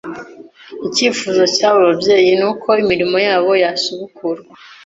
Icyifuzo cy’aba babyeyi ni uko imirimo yabo yasubukurwa